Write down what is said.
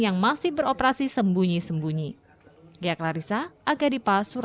yang masih beroperasi sembunyi sembunyi